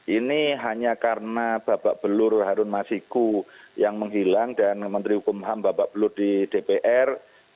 ini hanya karena babak belur harun masiku yang menghilang dan menteri hukum ham babak belur di dpr